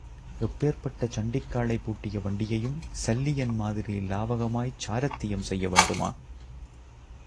எப்பேர்ப்பட்ட சண்டிக்காளை பூட்டிய வண்டியையும் சல்லியன் மாதிரி லாவகமாய்ச் சாரத்தியம் செய்ய வேண்டுமா?